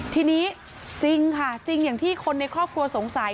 ทีนี้จริงค่ะจริงอย่างที่คนในครอบครัวสงสัย